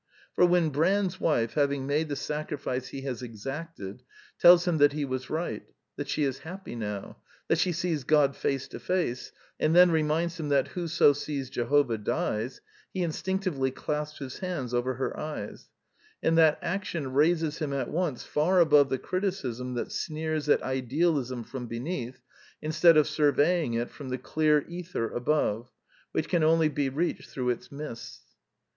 For when Brand's wife, having made the sacrifice he has exacted, tells him that he was right; that she is happy now; that she sees God face to face ; and then reminds him that '' whoso sees Jehovah dies," he instinctively clasps his hands over her eyes; and that action raises him at once far above the criticism that sneers at ideal ism from beneath, instead of surveying it from the clear ether above, which can only be reached through its mists.